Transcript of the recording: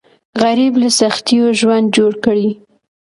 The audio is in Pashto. غریب له سختیو ژوند جوړ کړی